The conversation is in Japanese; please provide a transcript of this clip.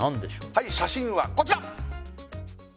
はい写真はこちら！